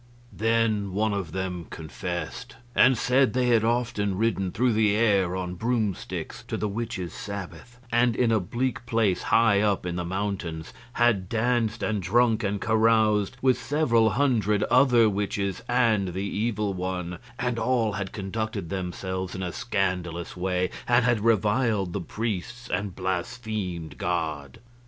Then one of them confessed, and said they had often ridden through the air on broomsticks to the witches' Sabbath, and in a bleak place high up in the mountains had danced and drunk and caroused with several hundred other witches and the Evil One, and all had conducted themselves in a scandalous way and had reviled the priests and blasphemed God.